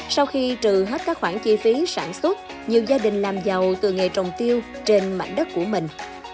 sau khi trừ hết các khoản chi phí sản xuất nhiều gia đình làm giàu từ nghề trồng tiêu trên mảnh đất của mình